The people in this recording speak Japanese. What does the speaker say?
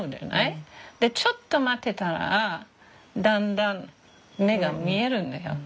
でちょっと待ってたらだんだん目が見えるんだよ。